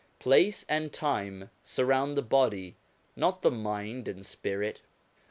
Place and time surround the body, not the mind and spirit.